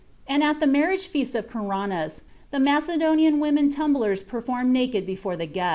And at the marriage feast of Caranus, the Macedonian women tumblers performed naked before the guests (Athenæus, iv, 3)."